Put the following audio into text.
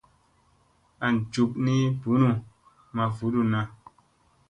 An jup ni bunu maa vudunna.